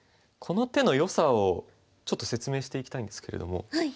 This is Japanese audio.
この手のよさをちょっと説明していきたいんですけれども。